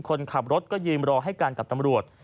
คนขับรถก็ยืนรอให้กันกับตำรวจ